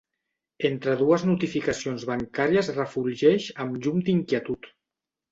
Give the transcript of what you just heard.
Entre dues notificacions bancàries refulgeix amb llum d'inquietud.